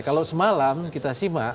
kalau semalam kita simak